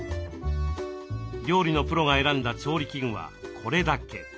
料理のプロが選んだ調理器具はこれだけ。